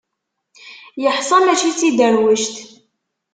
Yeḥṣa mačči d tiderwect.